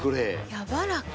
やわらか。